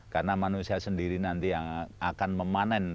karena manusia sendiri nanti yang akan memanen